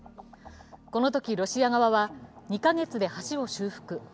このときロシア側は２か月で橋を修復。